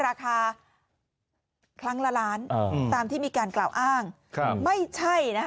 โอ้ยโอ้ย